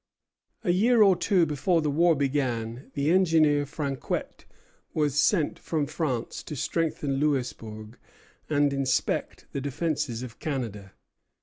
A year or two before the war began, the engineer Franquet was sent from France to strengthen Louisbourg and inspect the defences of Canada.